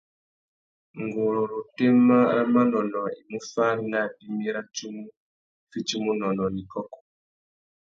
Nguru râ otémá râ manônōh i mú fári nà abimî râ tsumu i fitimú unônōh nà ikôkô.